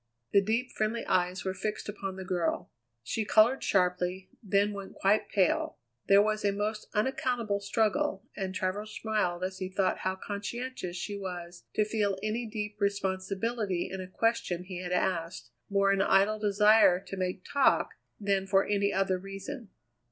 The deep, friendly eyes were fixed upon the girl. She coloured sharply, then went quite pale. There was a most unaccountable struggle, and Travers smiled as he thought how conscientious she was to feel any deep responsibility in a question he had asked, more in idle desire to make talk than for any other reason.